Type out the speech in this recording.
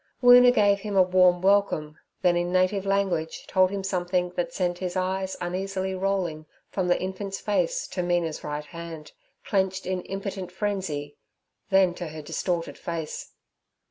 Woona gave him a warm welcome, then in native language told him something that sent his eyes uneasily rolling from the infant's face to Mina's right hand, clenched in impotent frenzy, then to her distorted face.